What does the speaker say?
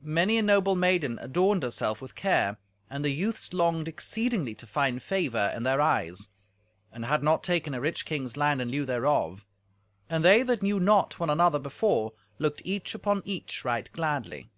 Many a noble maiden adorned herself with care, and the youths longed exceedingly to find favour in their eyes, and had not taken a rich king's land in lieu thereof. And they that knew not one another before looked each upon each right gladly.